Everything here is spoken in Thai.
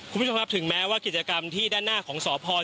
คุณผู้ชมครับถึงแม้ว่ากิจกรรมที่ด้านหน้าของสพ